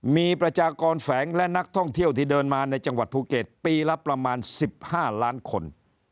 มีประชากรแฝงและนักท่องเที่ยวที่เดินมาในจังหวัดภูเก็ตปีละประมาณ๑๕ล้านคน